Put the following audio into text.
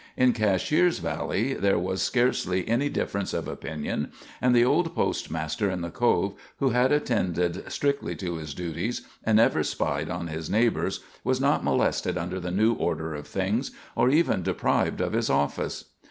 In Cashiers valley there was scarcely any difference of opinion, and the old postmaster in the Cove, who had attended strictly to his duties and never spied on his neighbors, was not molested under the new order of things, or even deprived of his office.